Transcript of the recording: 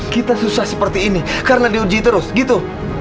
kita susah seperti ini karena diuji terus gitu